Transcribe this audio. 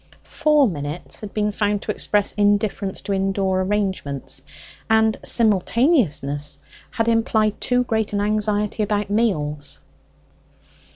Four minutes had been found to express indifference to indoor arrangements, and simultaneousness had implied too great an anxiety about meals.